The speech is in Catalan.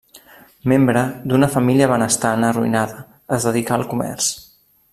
Membre d'una família benestant arruïnada, es dedicà al comerç.